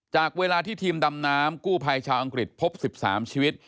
จากเวลาที่ทีมดำน้ำกู้ภัยชาวอังกฤษพบ๑๓ชีวิต